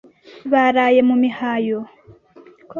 Baraye mu mihayo